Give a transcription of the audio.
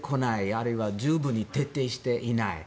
あるいは十分に徹底していない。